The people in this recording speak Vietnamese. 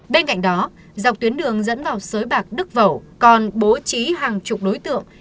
bên cạnh đó dọc tuyến đường dẫn vào sới bạc đức vẩu còn bố trí hàng chục đối tượng